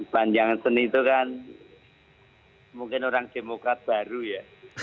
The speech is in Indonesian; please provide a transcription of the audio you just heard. panjang seni itu kan mungkin orang demokrat baru ya